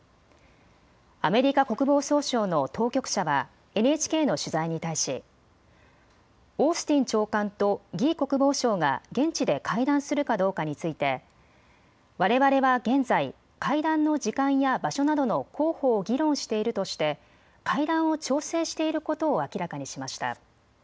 アメリカ国防総省の当局者はＮＨＫの取材に対しオースティン長官と魏国防相が現地で会談するかどうかについてわれわれは現在、会談の時間や場所などの候補を議論しているとして会談を調整していることを明らかにしました。